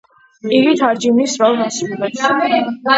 იგი თარჯიმნის როლს ასრულებს.